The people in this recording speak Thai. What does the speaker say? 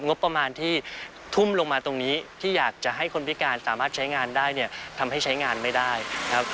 งบประมาณที่ทุ่มลงมาตรงนี้ที่อยากจะให้คนพิการสามารถใช้งานได้เนี่ยทำให้ใช้งานไม่ได้ครับ